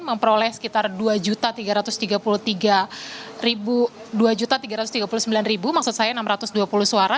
memperoleh sekitar dua tiga ratus tiga puluh sembilan enam ratus dua puluh suara